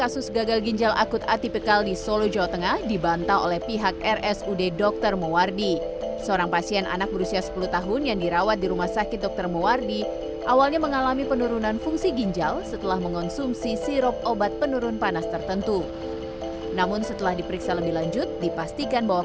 selama tujuh hari kini kondisi pasien sudah membaik